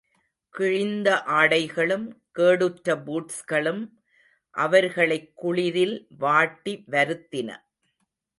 கிழிந்த ஆடைகளும், கேடுற்ற பூட்ஸ்களும், அவர்களைக் குளிரில் வாட்டி வருத்தின.